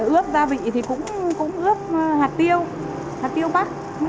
ướp gia vị thì cũng ướp hạt tiêu hạt tiêu bắc thảo quả muối